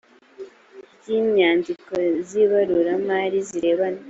ry inyandiko z ibaruramari zirebana